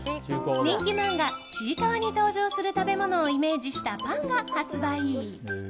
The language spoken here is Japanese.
人気漫画「ちいかわ」に登場する食べ物をイメージしたパンが発売。